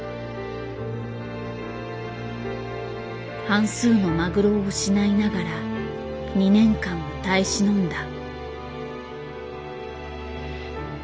半数のマグロを失いながら２年間を耐え忍んだ。